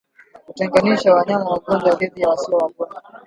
Kutenganisha wanyama wagonjwa dhidi ya wasio wagonjwa